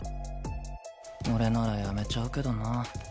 俺ならやめちゃうけどな。